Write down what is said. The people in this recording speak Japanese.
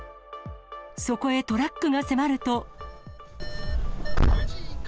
そこへトラックが迫ると。